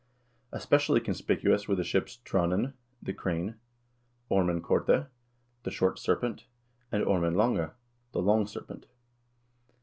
Especially conspicuous were the ships "Tranen" (the "Crane"), "Ormen Korte" (the "Short Ser pent"), and "Ormen Lange" (the "Long Serpent").